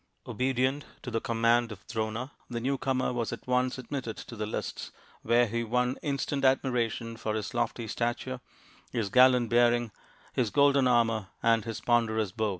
Obedient to the command of Drona, the new comer was at once admitted to the lists, where he won instant admiration for his lofty stature, his gallant bearing, his golden armour, and his ponderous bow.